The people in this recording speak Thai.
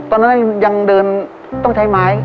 ตอนนั้นยังเดินต้องใช้ไม้